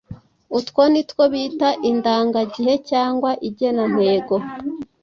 Utwo ni two bita indangagihe cyangwa igenantego.